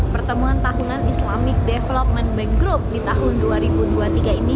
pertemuan tahunan islamic development bank group di tahun dua ribu dua puluh tiga ini